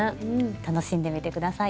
楽しんでみて下さい。